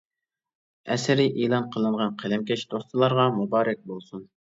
ئەسىرى ئېلان قىلىنغان قەلەمكەش دوستلارغا مۇبارەك بولسۇن!